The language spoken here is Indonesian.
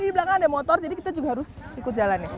di belakang ada motor jadi kita juga harus ikut jalan ya